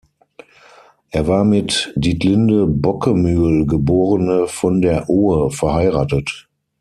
Er war mit Dietlinde Bockemühl, geborene von der Ohe, verheiratet.